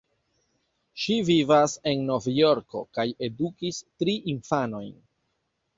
Ŝi vivas en Novjorko kaj edukis tri infanojn.